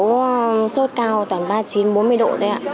nó sốt cao toàn ba mươi chín bốn mươi độ đấy ạ